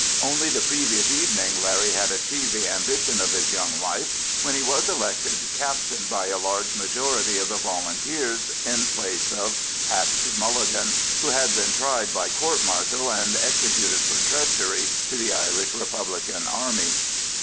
Only the previous evening Larry had achieved the ambition of his young life, when he was elected captain by a large majority of the Volunteers in place of Patsey Mulligan, who had been tried by court martial and executed for treachery to the Irish Republican Army.